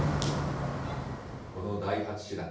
この第８師団。